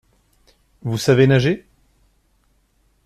Vous savez nager ?